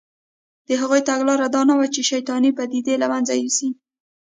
د هغوی تګلاره دا نه وه چې شیطانې پدیدې له منځه یوسي